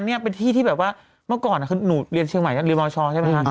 นี่เป็นที่ที่แบบว่าเมื่อก่อนคือหนูเรียนเชียงใหม่เรียนมชใช่ไหมคะ